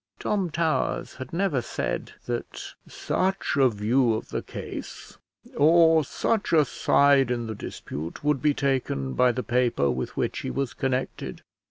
Tom Towers had never said that such a view of the case, or such a side in the dispute, would be taken by the paper with which he was connected.